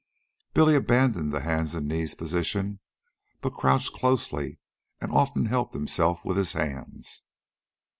Billy abandoned the hands and knees position, but crouched closely and often helped himself with his hands.